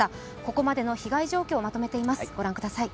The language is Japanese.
ここまでの被害状況をまとめています、御覧ください。